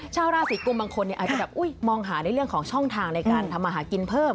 ชาวราศีกุมบางคนอาจจะแบบมองหาในเรื่องของช่องทางในการทำอาหารกินเพิ่ม